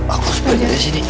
aku harus pergi dari sini